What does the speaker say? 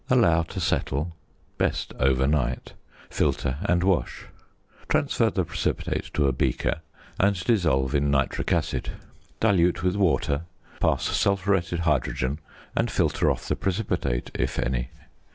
Allow to settle (best overnight), filter, and wash. Transfer the precipitate to a beaker, and dissolve in nitric acid. Dilute with water, pass sulphuretted hydrogen, and filter off the precipitate, if any.